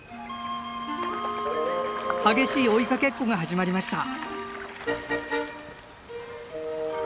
激しい追いかけっこが始まりました。